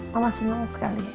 sama senang sekali